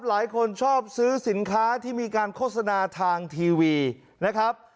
หลายคนชอบซื้อสินค้าที่มีการโฆษณาทางทีวีนะครับ